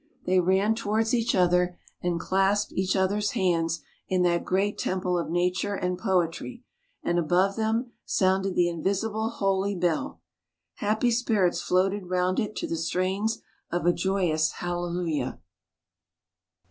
They ran towards each other, and clasped each other's hands in that great temple of Nature and Poetry, and above them sounded the invisible holy bell; happy spirits floated round it to the strains of a joyous Hallelujah.